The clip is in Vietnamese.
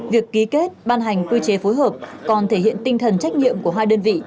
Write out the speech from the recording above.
việc ký kết ban hành quy chế phối hợp còn thể hiện tinh thần trách nhiệm của hai đơn vị